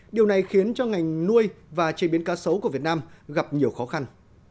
điều này khiến cho ngành nuôi và chế biến cá sấu của việt nam gặp nhiều khó khăn